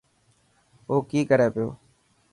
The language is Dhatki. او ڪي ڪري پيو.